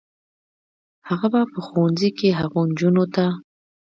هغه به په ښوونځي کې هغو نجونو ته